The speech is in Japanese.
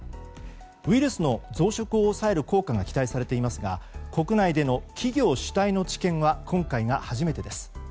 ウイルスの増殖を抑える効果が期待されていますが国内での企業主体の治験は今回が初めてです。